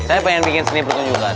saya pengen bikin seni pertunjukan